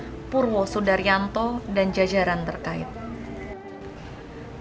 kedepannya pulau kalimantan khususnya provinsi kalimantan tengah harus lebih mengintensifkan langkah antisipasi penanggung